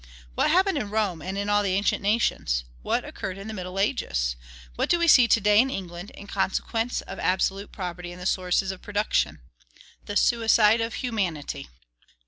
What happened in Rome, and in all the ancient nations? What occurred in the middle ages? What do we see to day in England, in consequence of absolute property in the sources of production? The suicide of humanity.